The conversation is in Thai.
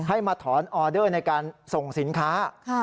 ให้มาถอนออเดอร์ในการส่งสินค้า